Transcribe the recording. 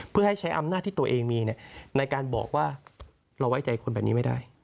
เพื่อให้ใช้อำนาจที่ตัวเองมีในการบอกว่าเราไว้ใจคนแบบนี้ไม่ได้